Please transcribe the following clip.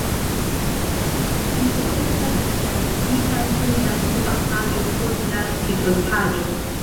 Tio estas klarigita sur la dua paĝo post la titolpaĝo.